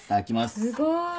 すごい。